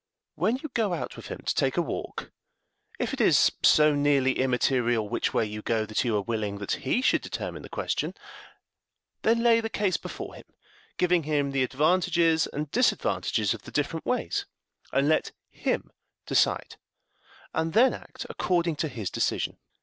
When you go out with him to take a walk, if it is so nearly immaterial which way you go that you are willing that he should determine the question, then lay the case before him, giving him the advantages and disadvantages of the different ways, and let him decide; and then act according to his decision.